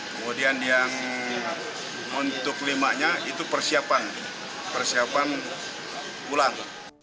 kemudian yang untuk limanya itu persiapan persiapan pulang